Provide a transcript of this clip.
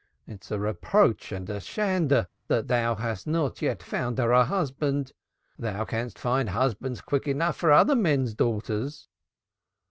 It's a reproach and a shame that thou hast not yet found her a husband. Thou canst find husbands quick enough for other men's daughters!"